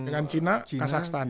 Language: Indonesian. dengan china kazakhstan